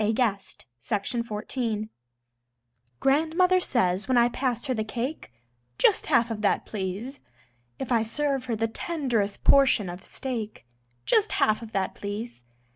JUST HALF OF THAT, PLEASE Grandmother says when I pass her the cake: "Just half of that, please." If I serve her the tenderest portion of steak: "Just half of that, please."